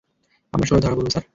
আমরা সবাই ধরা পড়ব, স্যার।